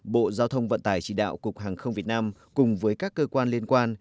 bộ giao thông vận tải chỉ đạo cục hàng không việt nam cùng với các cơ quan liên quan